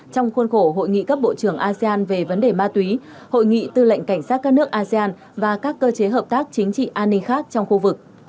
trong khuôn khổ hội nghị cấp bộ trưởng asean về vấn đề ma túy hội nghị tư lệnh cảnh sát các nước asean và các cơ chế hợp tác chính trị an ninh khác trong khu vực